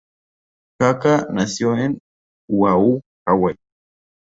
Haka nació en Oahu, Hawái.